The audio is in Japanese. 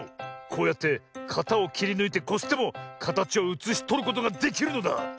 こうやってかたをきりぬいてこすってもかたちをうつしとることができるのだ。